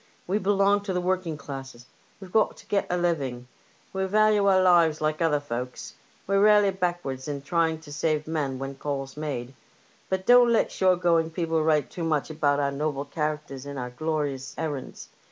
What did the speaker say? We belong to the working classes ; we have to get a living ; we value our lives like other folks ; we're rarely backwards in trying to save men when the call's made. But don't let shore going people write too much about our noble characters sind our glorious errands.